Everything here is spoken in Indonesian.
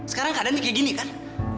sekarang keadaannya kayak gini kan